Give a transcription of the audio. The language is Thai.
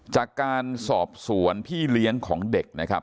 จากการสอบสวนพี่เลี้ยงของเด็กนะครับ